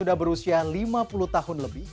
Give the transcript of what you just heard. sudah berusia lima puluh tahun lebih